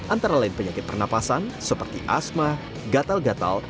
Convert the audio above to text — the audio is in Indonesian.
antara lain penyakit pernafasan seperti asma gatal gatal